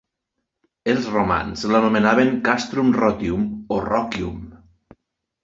Els romans l'anomenaven "Castrum Rotium" o "Rocium".